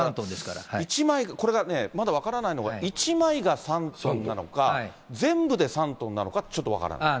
これがね、まだ分からないのが、１枚が３トンなのか、全部で３トンなのか、ちょっと分からない。